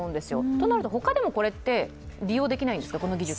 となると他でもこの技術、利用できないんですか？